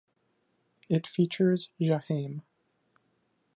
It features Jaheim.